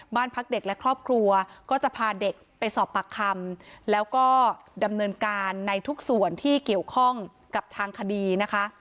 บ้านพักเด็กและครอบครัวก็จะพาเด็กไปสอบปากคำแล้วก็ดำเนินการในทุกส่วนที่เกี่ยวข้องกับทางคดีนะคะ